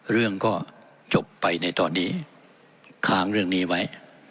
เรื่องก็จบไปในตอนนี้ค้างเรื่องนี้ไว้